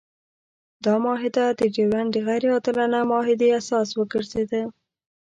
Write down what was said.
دا معاهده د ډیورنډ د غیر عادلانه معاهدې اساس وګرځېده.